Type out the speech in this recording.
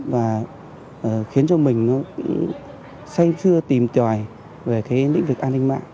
và khiến cho mình nó say xưa tìm tòi về cái lĩnh vực an ninh mạng